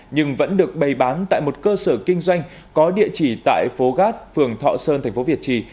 nhưng vẫn được bày bán tại một cơ sở kinh doanh có địa chỉ tại phố gát phường thọ sơn thành phố việt trì